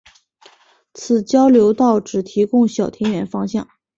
此交流道只提供小田原方向。